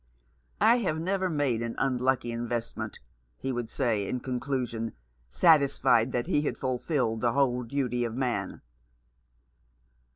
" I have never made an unlucky investment," he would say, in conclusion, satisfied that he had ful filled the whole duty of man.